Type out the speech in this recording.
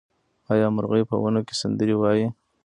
آیا مرغۍ په ونو کې سندرې وايي؟